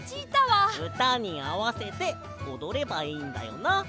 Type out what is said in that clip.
うたにあわせておどればいいんだよな？